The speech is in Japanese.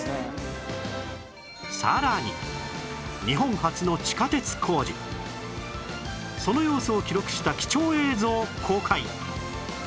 さらに日本初の地下鉄工事その様子を記録した貴重映像公開！